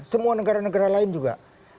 semua negara negara lain juga